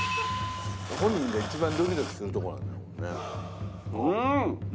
本人が一番ドキドキするとこなんだもんね。